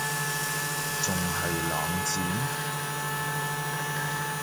仲係冷戰????？